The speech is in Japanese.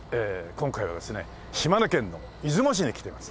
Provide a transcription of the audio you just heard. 今回はですね島根県の出雲市に来ています。